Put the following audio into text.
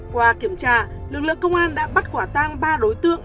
qua kiểm tra lực lượng công an đã bắt quả tang ba đối tượng